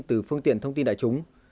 từ phương tiện thông tin đại chúng